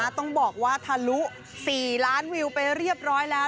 ต้องบอกว่าทะลุ๔ล้านวิวไปเรียบร้อยแล้ว